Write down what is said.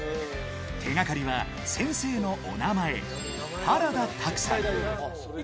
手がかりは先生のお名前、原田拓さん。